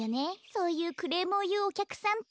そういうクレームをいうおきゃくさんって。